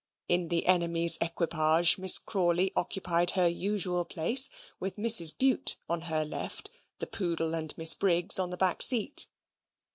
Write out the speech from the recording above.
In the enemy's equipage Miss Crawley occupied her usual place, with Mrs. Bute on her left, the poodle and Miss Briggs on the back seat.